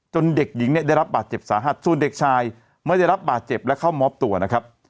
เด็กหญิงเนี่ยได้รับบาดเจ็บสาหัสส่วนเด็กชายไม่ได้รับบาดเจ็บและเข้ามอบตัวนะครับ